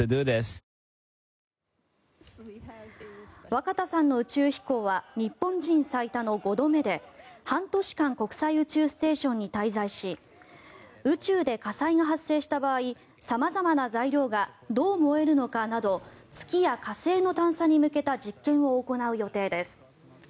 若田さんの宇宙飛行は日本人最多の５度目で半年間国際宇宙ステーションに滞在し宇宙で火災が発生した場合様々な材料がどう燃えるのかなど月や火星の探査に向けた実験を行う予定です。